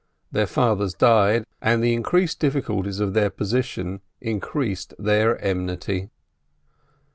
Their fathers died, and the increased difficulties of their position increased their enmity.